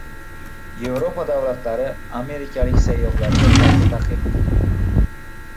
Evropa davlatlari amerikalik sayyohlarga qayta taqiq qo‘ydi